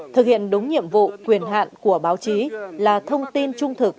thực hiện đúng nhiệm vụ quyền hạn của báo chí là thông tin trung thực